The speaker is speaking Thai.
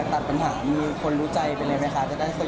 อยากตัดปัญหาจะบอกว่ามีคนรู้ใจบ้างไหมคะจะได้สโยคข่าว